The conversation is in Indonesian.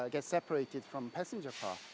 berseparasi dari mobil pesawat